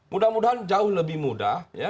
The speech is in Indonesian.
mudah mudahan jauh lebih mudah